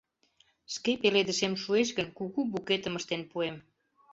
Шке пеледышем шуэш гын, кугу букетым ыштен пуэм.